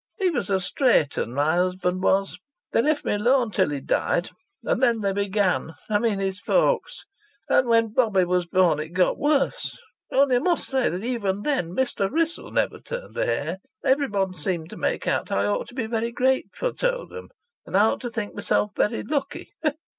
He was a straight 'un, my husband was. They left me alone until he died. And then they began I mean his folks. And when Bobbie was born it got worse. Only I must say even then Mr. Wrissell never turned a hair. Everybody seemed to make out that I ought to be very grateful to them, and I ought to think myself very lucky.